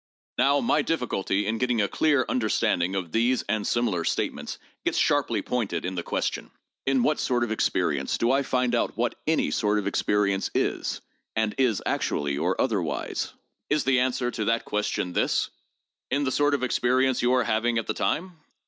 Now, my difficulty in getting a clear understanding of these and similar statements gets sharply pointed in the question: In what sort of experience do I find out what any sort of experience is, and is actually or otherwise? Is the answer to that question this: In the sort of experience you are having at the time